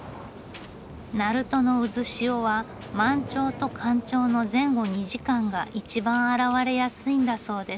鳴門の渦潮は満潮と干潮の前後２時間が一番現れやすいんだそうです。